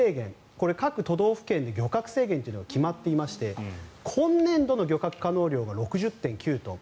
これ、各都道府県で漁獲制限というのが決まっていまして今年度の漁獲可能量が６０．９トン。